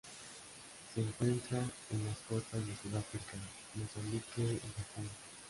Se encuentra en las costas de Sudáfrica, Mozambique y Japón.